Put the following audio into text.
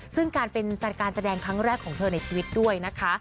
ซึ่งการเป็นการแสดงครั้งแรกของเธอในชีวิตด้วยนะคะ